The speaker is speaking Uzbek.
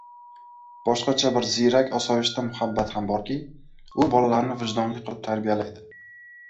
Boshqacha bir ziyrak osoyishta muhabbat ham borki, u bolalarni vijdonli qilib tarbiyalaydi.